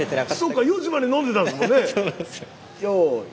そっか４時まで飲んでたんですもんね。